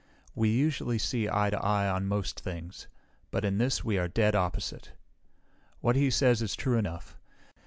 We usually see eye to eye on most things, but in this we are dead opposite. "What he says is true enough.